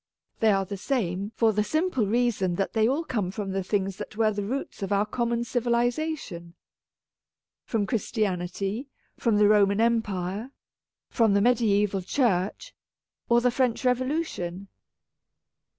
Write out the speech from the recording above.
They are the same, for the simple reason that they all come from the things that were the roots of our common civilization. From Christianity, from the Roman Empire, from the mediaeval Church, or the French Revo lution.